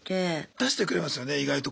出してくれますよね意外と。